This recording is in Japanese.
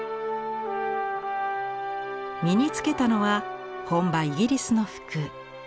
身に着けたのは本場イギリスの服。